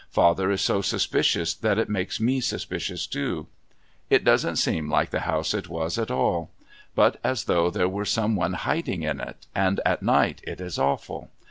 Father is so suspicious that it makes me suspicious too. It doesn't seem like the house it was at all, but as though there were some one hiding in it, and at night it is awful.